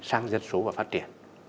sang dân số và phát triển